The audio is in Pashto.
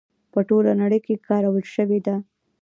په ټوله نړۍ کې کارول شوې ده.